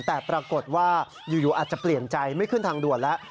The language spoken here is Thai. แต่ปรากฏว่าอยู่อาจจะเปลี่ยนใจไม่ขึ้นทางด่วนแล้ว